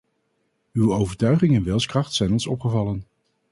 Uw overtuiging en wilskracht zijn ons opgevallen.